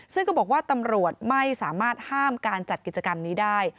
ซึ่งก็บอกว่าตำรวจไม่สามารถห้ามการจัดกิจกรรมนี้ได้